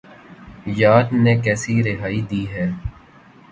یار نے کیسی رہائی دی ہے